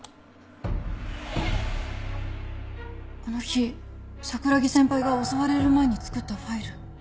あの日桜樹先輩が襲われる前に作ったファイル。